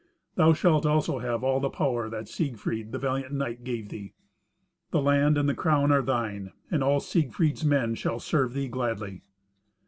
Thou shalt also have all the power that Siegfried, the valiant knight, gave thee. The land and the crown are thine, and all Siegfried's men shall serve thee gladly."